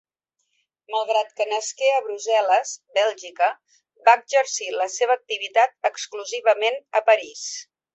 Malgrat que nasqué a Brussel·les, Bèlgica, va exercir la seva activitat exclusivament a París.